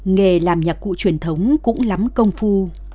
nghề làm nhạc cụ truyền thống cũng lắm công phu